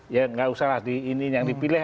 ya nggak usah lah ini yang dipilih